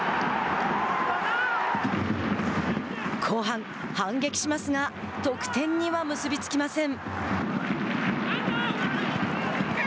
後半、反撃しますが得点には結び付きません。